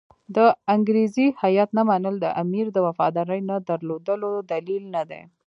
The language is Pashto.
د انګریزي هیات نه منل د امیر د وفادارۍ نه درلودلو دلیل نه دی.